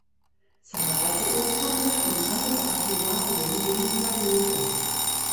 Zahlreiche Urkunden und andere Archivalien gingen verloren.